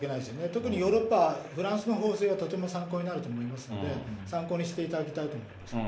特にヨーロッパ、フランスの法制はとても参考になると思いますので、参考にしていただきたいと思います。